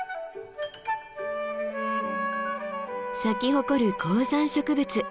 咲き誇る高山植物